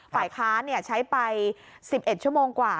ฝ่ายค้านใช้ไป๑๑ชั่วโมงกว่า